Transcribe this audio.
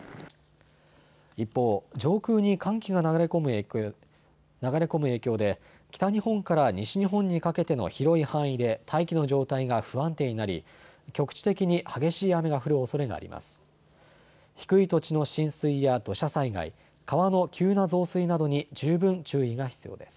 一方、上空に寒気が流れ込む影響で北日本から西日本にかけての広い範囲で大気の状態が不安定になり局地的に激しい雨が降るおそれがあります。